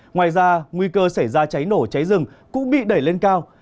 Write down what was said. ngoài ra nguy cơ xảy ra cháy nổ cháy rừng cũng bị đẩy lên cao